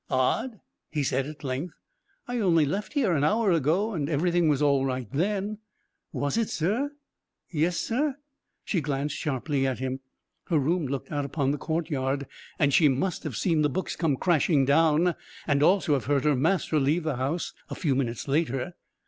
"Odd," he said at length. "I only left here an hour ago and everything was all right then." "Was it, sir? Yes, sir." She glanced sharply at him. Her room looked out upon the courtyard, and she must have seen the books come crashing down, and also have heard her master leave the house a few minutes later.